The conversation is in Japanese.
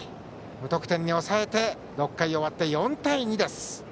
無得点に抑えて６回を終わって４対２です。